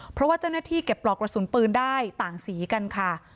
เพราะว่าเจ้าหน้าที่เก็บปลอกกระสุนปืนได้ต่างสีกันค่ะ